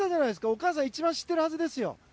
お母さん一番知っているはずですよ。